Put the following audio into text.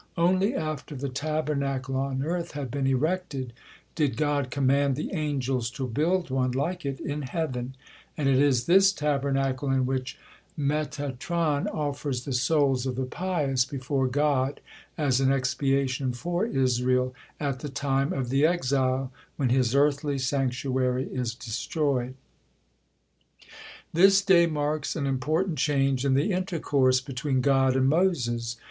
Only after the Tabernacle on earth had been erected did God command the angels to build one like it in heaven, and it is this Tabernacle in which Metatron offers the souls of the pious before God as an expiation for Israel, at the time of the exile when His earthly sanctuary is destroyed. This day marks an important change in the intercourse between God and Moses.